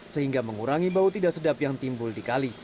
sehingga mengurangi bau tidak sedap yang timbul di kali